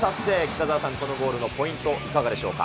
北澤さん、このゴールのポイント、いかがでしょうか。